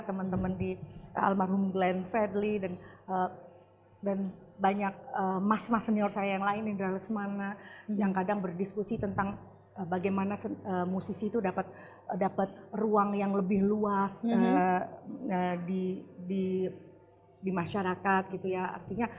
teman teman di almarhum glenn fredly dan banyak mas mas senior saya yang lain indra lesmana yang kadang berdiskusi tentang bagaimana musisi itu dapat dapat ruang yang lebih luas di masyarakat gitu ya artinya